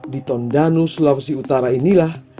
di tondanu sulawesi utara inilah